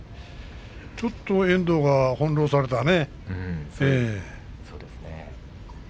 ちょっと遠藤が翻弄されたね。